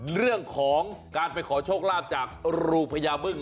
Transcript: เรื่องของการไปขอโชคลาภจากรูพญาบึ้ง